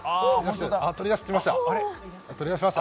取り出しました。